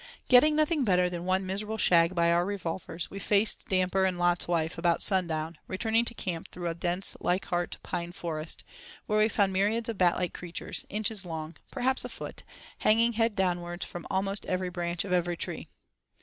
Getting nothing better than one miserable shag by our revolvers, we faced damper and "Lot's wife" about sundown, returning to camp through a dense Leichardt pine forest, where we found myriads of bat like creatures, inches long, perhaps a foot, hanging head downwards from almost every branch of every tree.